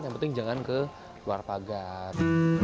yang penting jangan ke luar pagar